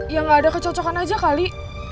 ya nggak ada kecocokan aja kali